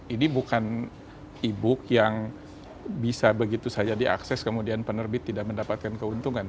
ini bukan e book yang bisa begitu saja diakses kemudian penerbit tidak mendapatkan keuntungan